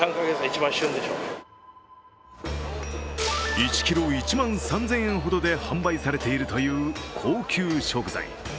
１ｋｇ、１万３０００円ほどで販売されているという高級食材。